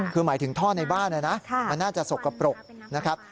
คือหมายถึงท่อในบ้านนะมันน่าจะสกปรกนะครับ